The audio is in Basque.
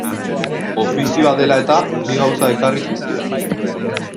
Ofizioa dela-eta, bi gauza ekarri zizkidan.